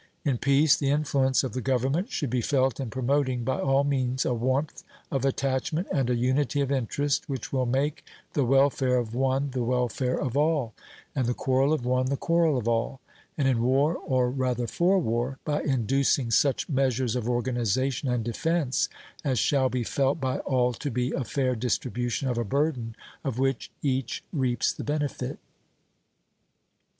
In peace, the influence of the government should be felt in promoting by all means a warmth of attachment and a unity of interest which will make the welfare of one the welfare of all, and the quarrel of one the quarrel of all; and in war, or rather for war, by inducing such measures of organization and defence as shall be felt by all to be a fair distribution of a burden of which each reaps the benefit.